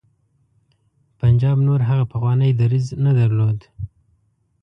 پنجاب نور هغه پخوانی دریځ نه درلود.